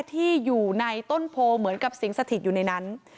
ที่อยู่ในต้นโพเหมือนกับสิงสถิตอยู่ในนั้น